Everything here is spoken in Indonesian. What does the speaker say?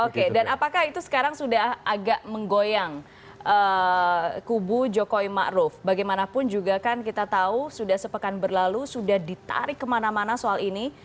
oke dan apakah itu sekarang sudah agak menggoyang kubu jokowi ⁇ maruf ⁇ bagaimanapun juga kan kita tahu sudah sepekan berlalu sudah ditarik kemana mana soal ini